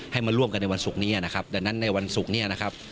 มาร่วมกันในวันศุกร์นี้นะครับดังนั้นในวันศุกร์เนี่ยนะครับ